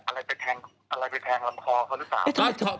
อะไรไปแทงลำคอกับเขาหรือเปล่า